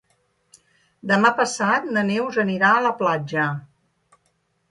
Demà passat na Neus anirà a la platja.